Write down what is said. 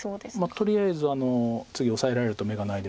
とりあえず次オサえられると眼がないですから。